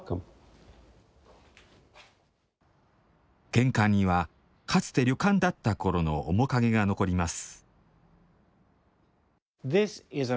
玄関には、かつて旅館だった頃の面影が残ります。